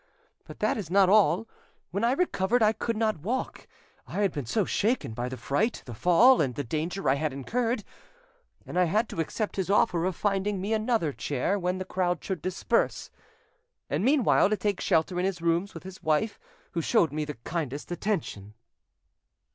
But that is not all: when I recovered I could not walk, I had been so shaken by the fright, the fall, and the danger I had incurred, and I had to accept his offer of finding me another chair when the crowd should disperse, and meanwhile to take shelter in his rooms with his wife, who showed me the kindest attention."